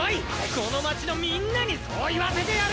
この町のみんなにそう言わせてやる！